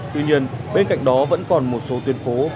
tuy nhiên bên cạnh đó vẫn còn một số tuyến phố